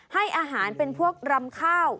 ให้อาหารเป็นพวกรำข้าว